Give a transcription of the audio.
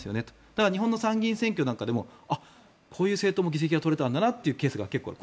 だから日本の参議院選挙なんかでもこういう政党も議席が取れたんだなというケースが結構ある。